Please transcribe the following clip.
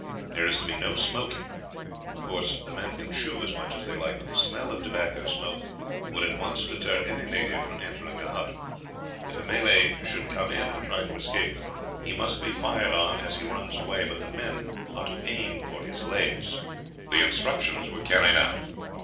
There is to be no smoking; of course the men can chew as much as they like; but the smell of tobacco smoke would at once deter any native from entering a hut. If a Malay should come in and try to escape, he must be fired on as he runs away; but the men are to aim at his legs." The instructions were carried out.